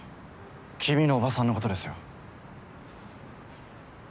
君の叔母さんのことですよ。